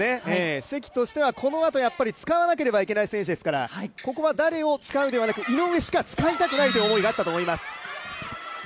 関としてはこのあと使わなければいけない選手ですからここは誰を使うではなく、井上しか使いたくないという思いがあったと思います。